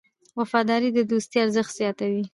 وفاداري د دوستۍ ارزښت زیاتوي.